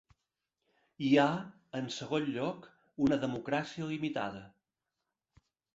Hi ha, en segon lloc, una democràcia limitada.